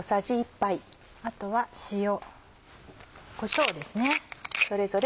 あとは塩こしょうですね。